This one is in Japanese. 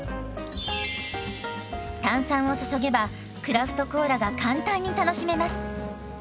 炭酸を注げばクラフトコーラが簡単に楽しめます。